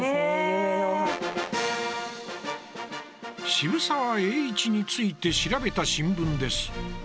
渋沢栄一について調べた新聞です。